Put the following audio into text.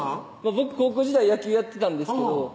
僕高校時代野球やってたんですけど